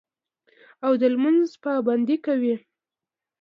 او د لمونځ پابندي کوي